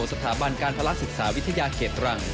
สถาบันการพลักษณ์ศึกษาวิทยาเขตรัง